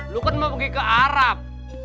lu kan mau pergi ke arab